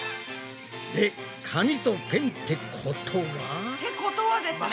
で紙とペンってことは？ってことはですね。